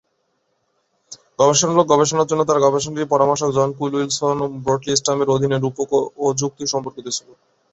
গবেষণামূলক গবেষণার জন্য তার গবেষণাটি পরামর্শক জন কুক উইলসন এবং ব্র্যাডলি স্ট্যাম্পের অধীনে রূপক ও যুক্তি সম্পর্কিত ছিল।